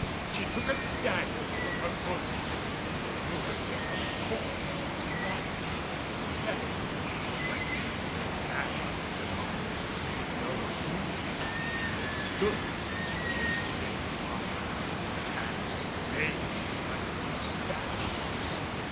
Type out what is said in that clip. She took a dagger from her bosom. Then drew herself up cold, white, and set, the weapon in both hands at her heart. No one moved. They stood, those men in armor, their hands raised, like statues.